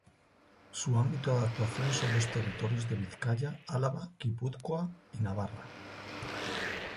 Su ámbito de actuación son los territorios de Vizcaya, Álava, Guipúzcoa y Navarra.